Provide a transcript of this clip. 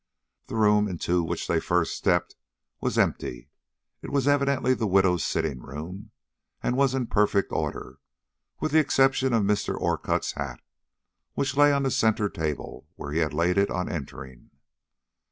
The room into which they first stepped was empty. It was evidently the widow's sitting room, and was in perfect order, with the exception of Mr. Orcutt's hat, which lay on the centre table where he had laid it on entering.